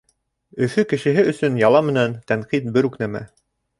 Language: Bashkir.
Өфө кешеһе өсөн яла менән тәнҡит бер үк нәмә.